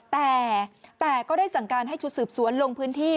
แต่ก็ได้สั่งการให้ชุดสืบสวนลงพื้นที่